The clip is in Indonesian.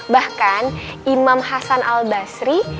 bahkan imam hasan al basri